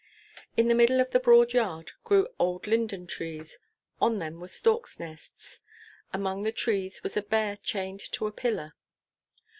In the middle of the broad yard grew old linden trees, on them were storks' nests. Among the trees was a bear chained to a pillar.